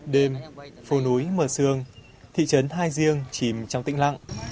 đêm phố núi mở sương thị trấn hai riêng chìm trong tĩnh lặng